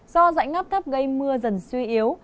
do dãy ngắp thấp gây mưa dần suy yếu